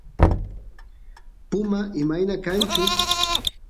puma imayna kanchus